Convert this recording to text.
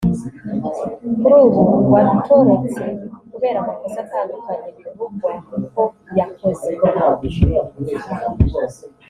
kuri ubu watorotse kubera amakosa atandukanye bivugwa ko yakoze